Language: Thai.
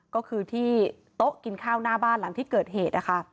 ก็คือที่โต๊ะกินข้าวหน้าบ้านหลังที่เกิดเหตุ